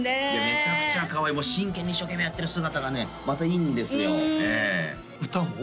めちゃくちゃかわいいもう真剣に一生懸命やってる姿がねまたいいんですよええ歌も？